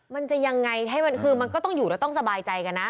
มันจะยังไงให้มันคือมันก็ต้องอยู่แล้วต้องสบายใจกันนะ